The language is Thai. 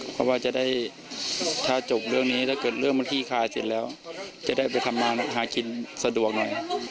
เพราะว่าจะได้ถ้าจบเรื่องนี้ถ้าเกิดเรื่องมันขี้คายเสร็จแล้วจะได้ไปทำมาหากินสะดวกหน่อย